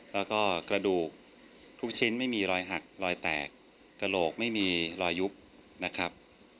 แล้วก็กระดูกทุกชิ้นไม่มีรอยหักรอยแตกกระโหลกไม่มีรอยยุบนะครับ